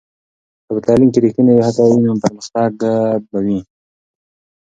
که په تعلیم کې ریښتینې هڅه وي، نو پرمختګ به وي.